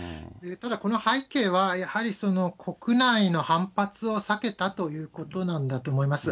ただこの背景は、やはり、その国内の反発を避けたということなんだと思います。